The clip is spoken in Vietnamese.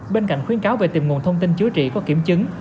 bên cạnh khuyến cáo về tìm nguồn thông tin chữa trị có kiểm chứng